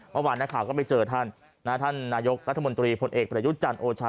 เมื่อวานนักข่าวก็ไปเจอท่านท่านนายกรัฐมนตรีพลเอกประยุทธ์จันทร์โอชา